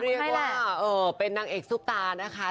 เรียกว่าเป็นนางเอกซุปตานะคะ